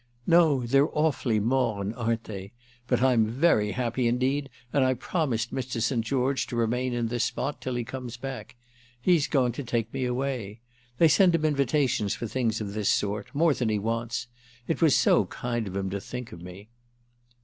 "No, they're awfully mornes, aren't they? But I'm very happy indeed and I promised Mr. St. George to remain in this spot till he comes back. He's going to take me away. They send him invitations for things of this sort—more than he wants. It was so kind of him to think of me."